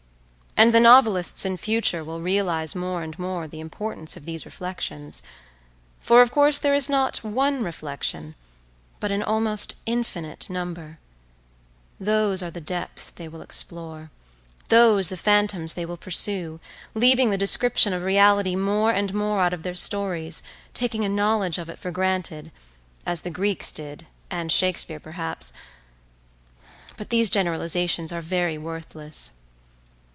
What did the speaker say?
And the novelists in future will realize more and more the importance of these reflections, for of course there is not one reflection but an almost infinite number; those are the depths they will explore, those the phantoms they will pursue, leaving the description of reality more and more out of their stories, taking a knowledge of it for granted, as the Greeks did and Shakespeare perhaps—but these generalizations are very worthless.